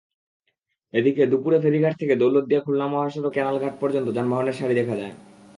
এদিকে দুপুরে ফেরিঘাট থেকে দৌলতদিয়া-খুলনা মহাসড়কের ক্যানাল ঘাট পর্যন্ত যানবাহনের সারি দেখা যায়।